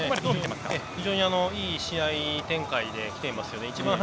非常にいい試合展開できていますよね。